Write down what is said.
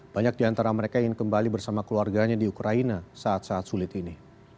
banyak di antara mereka ingin kembali bersama keluarganya di ukraina saat saat sulit ini